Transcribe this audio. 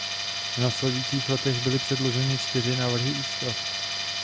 V následujících letech byli předloženy čtyři návrhy ústav.